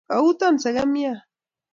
kauton sekemyan